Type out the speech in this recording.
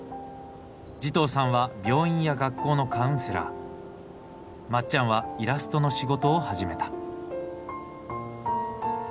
慈瞳さんは病院や学校のカウンセラーまっちゃんはイラストの仕事を始めた。